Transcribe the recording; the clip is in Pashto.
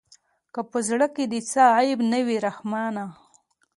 که په زړه کښې دې څه عيب نه وي رحمانه.